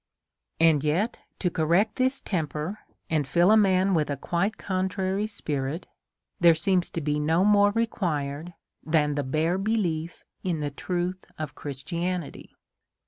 And yet to correct this temper, and fill a man Avith a quite contrary spirit, there seems to be no more re quired than the bare belief of the truth of Christianity.